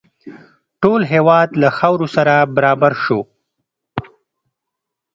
ټول هېواد له خاورو سره برابر شو.